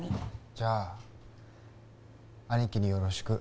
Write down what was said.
じゃあ兄貴によろしく。